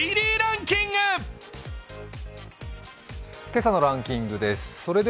今朝のランキングです。